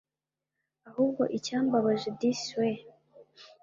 ahubwo icyambabaje disi we